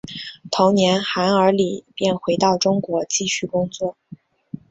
同年韩尔礼便回到中国继续工作。